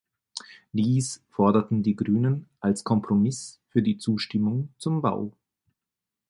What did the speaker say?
Dies forderten die Grünen als Kompromiss für die Zustimmung zum Bau.